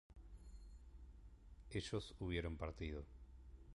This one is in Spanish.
¿ellos hubieron partido?